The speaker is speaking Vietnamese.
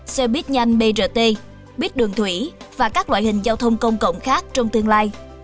xe buýt nhanh brt buýt đường thủy và các loại hình giao thông công cộng khác trong tương lai